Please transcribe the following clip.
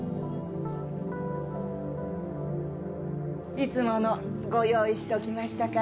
いつものご用意しておきましたから。